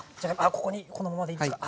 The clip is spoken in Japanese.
ここにこのままでいいですか？